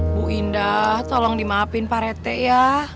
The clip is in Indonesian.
bu indah tolong dimaafin pak rete ya